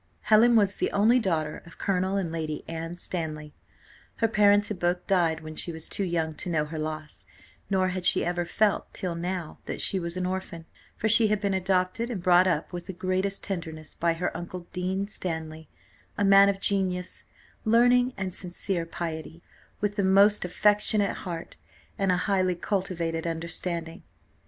Helen was the only daughter of colonel and Lady Anne Stanley; her parents had both died when she was too young to know her loss, nor had she ever felt till now that she was an orphan, for she had been adopted and brought up with the greatest tenderness by her uncle, Dean Stanley, a man of genius, learning, and sincere piety, with the most affectionate heart, and a highly cultivated understanding.